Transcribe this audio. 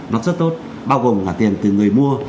nó rất tốt bao gồm là tiền từ người mua